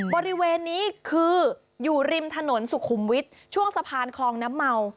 บริเวณนี้คืออยู่ริมถนนสุขุมวิทย์ช่วงสะพานคลองน้ำเมา